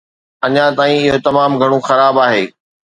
اڃان تائين، اهو تمام گهڻو خراب آهي.